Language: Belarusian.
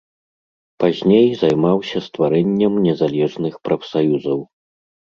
Пазней займаўся стварэннем незалежных прафсаюзаў.